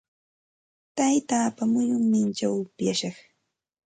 Taytaapa muyunninchaw upyashaq.